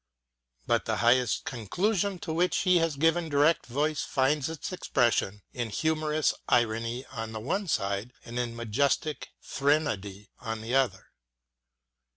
But the highest conclusion to which he has given direct voice finds its expression in humorous irony on the one side, and in majestic threnody on the other.